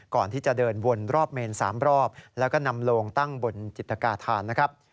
ก่อนที่จะเดินวนรอบเมน๓รอบแล้วก็นำโลงตั้งบนจิตกาธานนะครับ